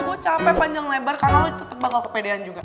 gue capek panjang lebar karena aku tetap bakal kepedean juga